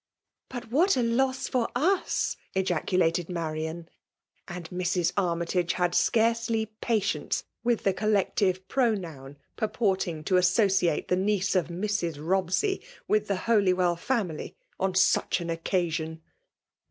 ''But what a loss for us!'" qacnlated Marian. And Mrs. Armytage had scarcely patience with the ooUective pronoun purport' ing to associate the niece of Mrs. Bobsey with the Holywell family^ on such an occasion.